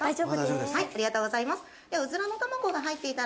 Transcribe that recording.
ありがとうございます。